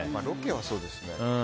ロケはそうですね。